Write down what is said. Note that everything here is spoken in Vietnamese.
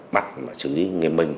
bắt xử lý nghiêm minh